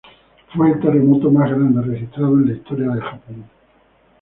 Fue el terremoto más grande registrado en la historia de Japón.